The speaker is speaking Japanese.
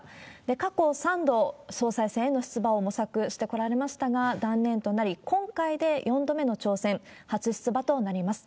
過去３度、総裁選への出馬を模索してこられましたが、断念となり、今回で４度目の挑戦、初出馬となります。